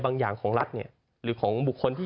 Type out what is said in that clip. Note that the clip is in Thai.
บางอย่างของรัฐเนี่ยหรือของบุคคลที่